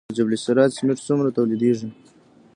د جبل السراج سمنټ څومره تولیدیږي؟